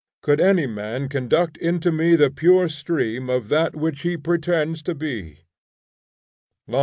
Could any man conduct into me the pure stream of that which he pretends to be!